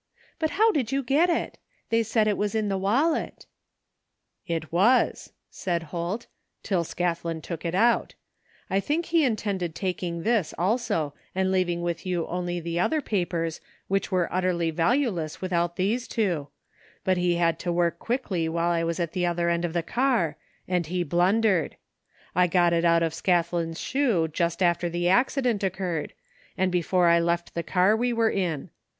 But how did you get it ? They said it was in the wallet'* " It was," said Holt, '' till Scathlin took it out I think he intended taking this, also, and leaving with you only the other papers which were utterly valueless without these two ; but he had to work quickly while I was at the other end of the car, and he blundered. I got it out of Scathlin's shoe, just after the accident occurred, and before I left the car we were in.